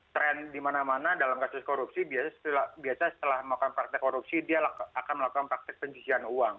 trend di mana mana dalam kasus korupsi biasanya setelah melakukan praktek korupsi dia akan melakukan praktek pencucian uang